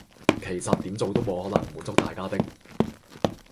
其實點做都冇可能滿足大家的